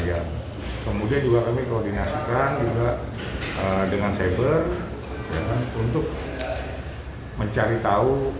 aku ingin melakukan apa apa